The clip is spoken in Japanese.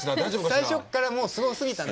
最初っからもうすごすぎたの。